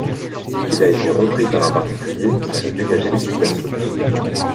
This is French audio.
Il a été repris par un particulier qui en a dégagé les superstructures.